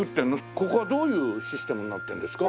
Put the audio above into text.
ここはどういうシステムになってるんですか？